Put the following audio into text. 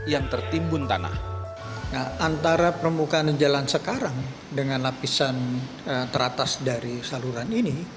yang tertimbun tanah antara permukaan jalan sekarang dengan lapisan teratas dari saluran ini